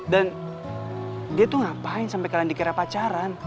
dan dia tuh ngapain sampe kalian dikira pacaran